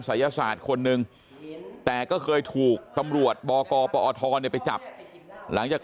ศัยศาสตร์คนนึงแต่ก็เคยถูกตำรวจบกปอทไปจับหลังจาก